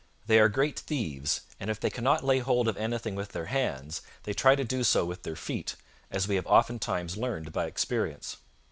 They are great thieves, and if they cannot lay hold of any thing with their hands, they try to do so with their feet, as we have oftentimes learned by experience.